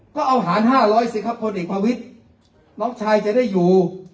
ก็เอาหาร๕๐๐สิครับพลเอกประวิทธิ์น้องชายจะได้อยู่